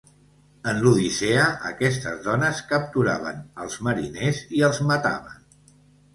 En l'Odissea aquestes dones capturaven als mariners i els mataven.